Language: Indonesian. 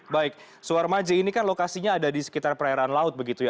baik suhar maji ini kan lokasinya ada di sekitar perairan laut begitu ya